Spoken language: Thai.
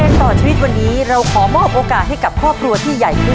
ต่อชีวิตวันนี้เราขอมอบโอกาสให้กับครอบครัวที่ใหญ่ขึ้น